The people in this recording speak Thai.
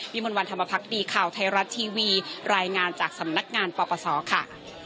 มนต์วันธรรมพักดีข่าวไทยรัฐทีวีรายงานจากสำนักงานปปศค่ะ